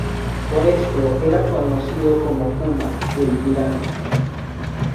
Por esto, era conocido como Kuma "El Tirano".